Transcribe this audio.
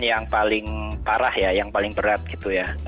yang paling parah ya yang paling berat gitu ya